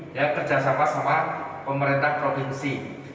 ya kerjasama sama pemerintah provinsi